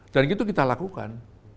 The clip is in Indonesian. dan itu kita lakukan